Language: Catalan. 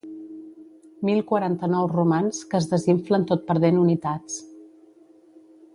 Mil quaranta-nou romans que es desinflen tot perdent unitats.